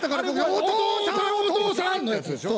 「お父さんお父さん」のやつでしょ？